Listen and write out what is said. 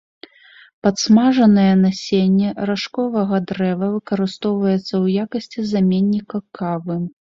Падсмажанае насенне ражковага дрэва выкарыстоўваецца ў якасці заменніка кавы.